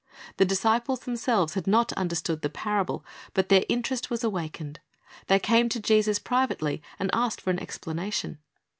The disciples themselves had not understood the parable, but their interest was awakened. They came to Jesus privately, and asked for an explanation.